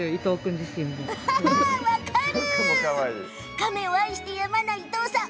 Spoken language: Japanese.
カメを愛してやまない伊藤さん